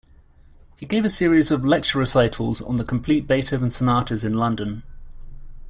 He gave a series of lecture-recitals on the complete Beethoven sonatas in London.